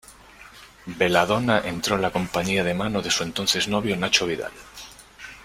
Belladonna entró en la compañía de mano de su entonces novio Nacho Vidal.